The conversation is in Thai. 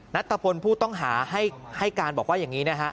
ัตตะพลผู้ต้องหาให้การบอกว่าอย่างนี้นะฮะ